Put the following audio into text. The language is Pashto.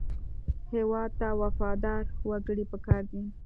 هېواد ته وفادار وګړي پکار دي